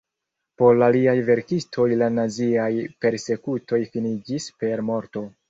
Por aliaj verkistoj la naziaj persekutoj finiĝis per morto.